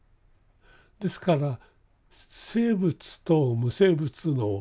ですから生物と無生物のこの定義